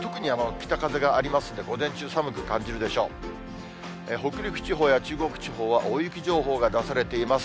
北陸地方や中国地方は、大雪情報が出されています。